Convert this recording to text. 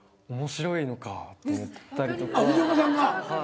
藤岡さんが。